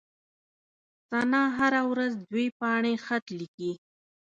ثنا هره ورځ دوې پاڼي خط ليکي.